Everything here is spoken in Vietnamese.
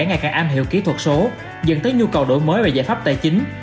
ngày càng am hiệu kỹ thuật số dẫn tới nhu cầu đổi mới về giải pháp tài chính